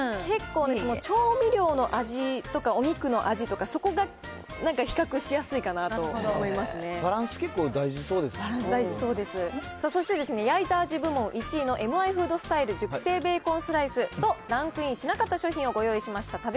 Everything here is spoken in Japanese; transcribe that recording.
結構、調味料の味とか、お肉の味とか、そこがなんか比較しやバランス、バランス大事、そうです。さあ、そして焼いた味部門１位のエムアイフードスタイル、熟成ベーコンスライスと、ランクインしなかった商品をご用意しました。